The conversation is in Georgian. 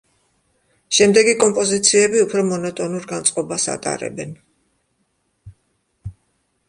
შემდეგი კომპოზიციები უფრო მონოტონურ განწყობას ატარებენ.